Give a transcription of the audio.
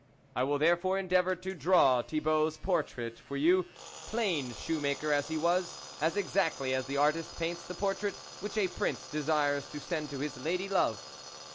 I will therefore endeavour to draw Thibault's portrait for you, plain shoe maker as he was, as exactly as the artist paints the portrait which a prince desires to send to his lady love.